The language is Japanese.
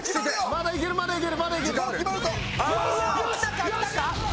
まだいけるまだいける！